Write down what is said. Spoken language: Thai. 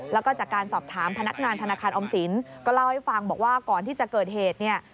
แล้วก็จากการสอบถามพนักงานธนาคารออมสินก็เล่าให้ฟังบอกว่าก่อนที่จะเกิดเหตุเนี่ย